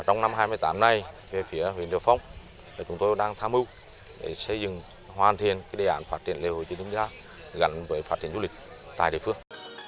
trong năm hai mươi tám nay về phía huyện đường phong chúng tôi đang tham mưu để xây dựng hoàn thiện đề án phát triển lễ hội trên đường bích la gắn với phát triển du lịch tại địa phương